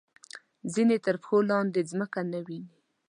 ځینې تر پښو لاندې ځمکه نه ویني.